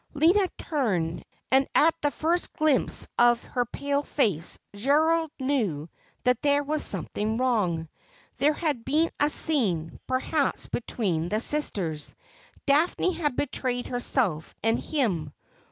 Lina turned, and at the first glimpse of her pale face Gerald knew that there was something wrong. There had been a scene, perhaps, between the sisters. Daphne had betrayed herself and him.